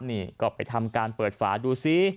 นี่ก็ไปทำการเปิดฝาดูซิ